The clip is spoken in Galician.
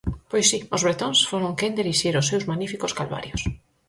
Pois si, os bretóns foron quen de erixir os seus magníficos calvarios.